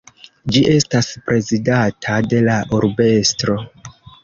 Ĝi estas prezidata de la urbestro.